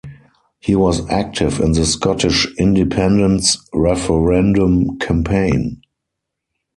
He was active in the Scottish independence referendum campaign.